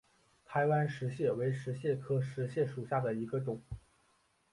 台湾石蟹为石蟹科石蟹属下的一个种。